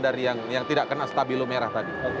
dari yang tidak kena stabilo merah tadi